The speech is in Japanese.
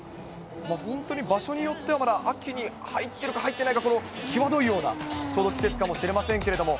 本当に場所によっては、まだ秋に入っているか入っていないか、際どいような、ちょうど季節かもしれませんけれども。